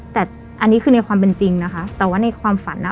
แต่อันนี้คือในความเป็นจริงนะคะแต่ว่าในความฝันอ่ะ